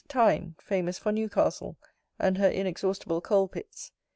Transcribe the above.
TYNE, famous for Newcastle, and her inexhaustible coal pits.